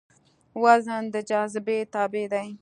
وزن د جاذبې تابع دی.